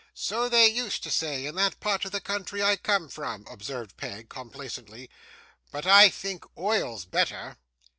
'So they used to say in that part of the country I come from,' observed Peg, complacently, 'but I think oil's better.